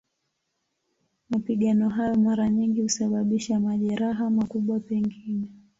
Mapigano hayo mara nyingi husababisha majeraha, makubwa pengine.